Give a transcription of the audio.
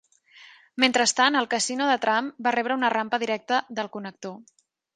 Mentrestant, el casino de Trump va rebre una rampa directa del connector.